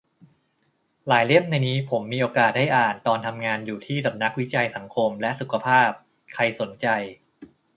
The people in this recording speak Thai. หลายเล่มในนี้ผมมีโอกาสได้อ่านตอนทำงานอยู่ที่สำนักวิจัยสังคมและสุขภาพ ใครสนใจ